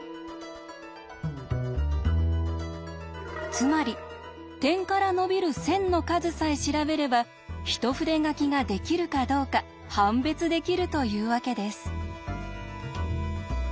つまり点から伸びる線の数さえ調べれば一筆書きができるかどうか判別できるというわけです。